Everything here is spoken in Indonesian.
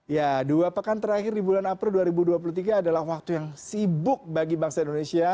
ya dua pekan terakhir di bulan april dua ribu dua puluh tiga adalah waktu yang sibuk bagi bangsa indonesia